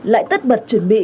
lại tất bật chuẩn bị